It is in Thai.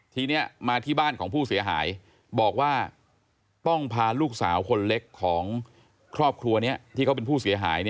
ทีนี้มาที่บ้านของผู้เสียหายบอกว่าต้องพาลูกสาวคนเล็กของครอบครัวนี้ที่เขาเป็นผู้เสียหาย